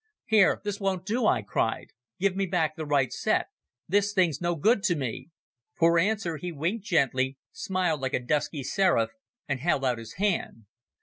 "Here, this won't do," I cried. "Give me back the right set. This thing's no good to me." For answer he winked gently, smiled like a dusky seraph, and held out his hand.